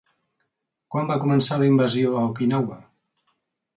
Quan va començar la invasió a Okinawa?